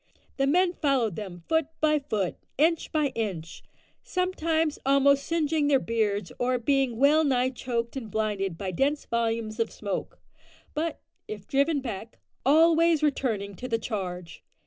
The men followed them foot by foot, inch by inch sometimes almost singeing their beards or being well nigh choked and blinded by dense volumes of smoke, but, if driven back, always returning to the charge.